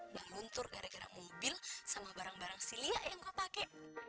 gak luntur gara gara mobil sama barang barang si lia yang gua pake